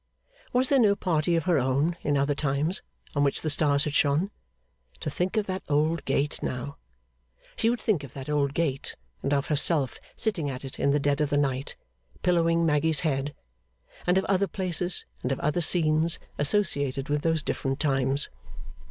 Was there no party of her own, in other times, on which the stars had shone? To think of that old gate now! She would think of that old gate, and of herself sitting at it in the dead of the night, pillowing Maggy's head; and of other places and of other scenes associated with those different times.